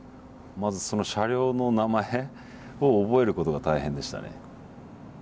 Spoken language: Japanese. まずその車両の名前を覚えることが大変でしたね。